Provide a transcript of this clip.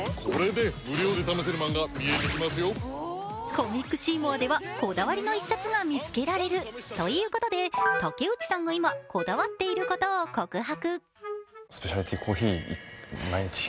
コミックシーモアではこだわりの一冊が見つけられるということで竹内さんが今こだわっていることを告白。